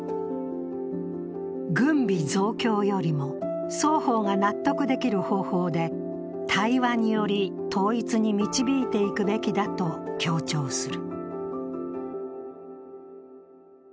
軍備増強よりも双方が納得できる方法で対話により統一に導いていくべきだと強調する。